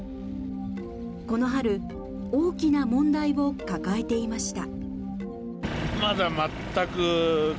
この春、大きな問題を抱えていました。